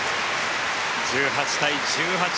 １８対１８。